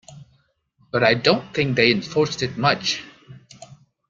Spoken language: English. But I don't think they enforced it much.